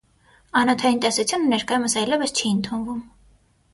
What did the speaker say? Անոթային տեսությունը ներկայումս այլևս չի ընդունվում։